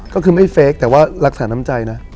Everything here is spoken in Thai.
ก็คือไม่เฟคแต่ว่ารักษาน้ำใจนะ